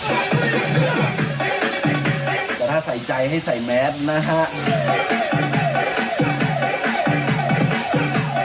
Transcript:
แต่ถ้าใส่ใจให้ใส่แมสนะฮะ